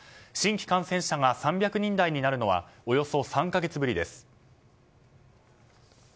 新規感染者が３００人台になるのはおよそ３か月ぶりです。